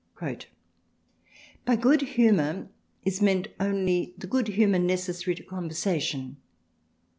" By Good Humour is meant only the Good Humour necessary to conversation."